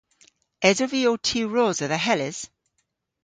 Esov vy ow tiwrosa dhe Hellys?